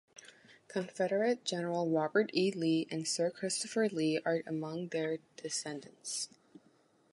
Confederate General Robert E. Lee and Sir Christopher Lee are amongst their descendants.